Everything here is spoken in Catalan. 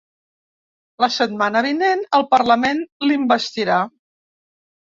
La setmana vinent el parlament l’investirà.